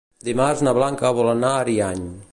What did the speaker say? Dimarts na Blanca vol anar a Ariany.